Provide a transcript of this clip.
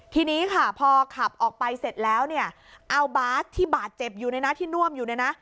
ทีนี้พอขับออกไปเสร็จแล้วเอาบ๊าซที่บาดเจ็บอยู่ที่น่วมอยู่